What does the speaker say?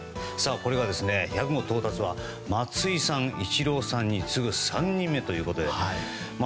１００号到達は松井さん、イチローさんに次ぐ３人目ということで。